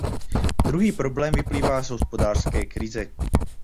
Druhý problém vyplývá z hospodářské krize.